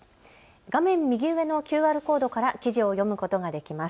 画面右上のＱＲコードから記事を読むことができます。